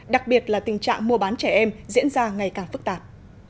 đặc biệt là tình trạng mua bán trẻ em diễn ra ngày càng phức tạp